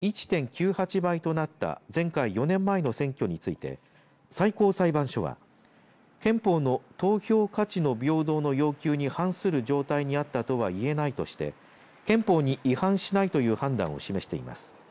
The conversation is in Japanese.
衆議院選挙の１票の格差を巡っては最大で１．９８倍となった前回４年前の選挙について最高裁判所は憲法の投票価値の平等の要求に反する状態にあったとはいえないとして憲法に違反しないという判断を示しています。